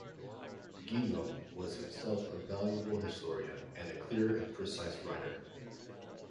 Guillaume was himself a valuable historian, and a clear and precise writer.